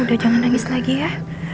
udah jangan nangis lagi ya